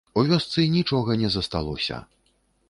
У вёсцы нічога не засталося.